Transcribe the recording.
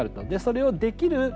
でそれをできる